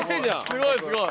すごいすごい。